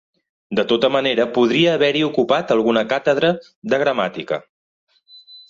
De tota manera podria haver-hi ocupat alguna càtedra de Gramàtica.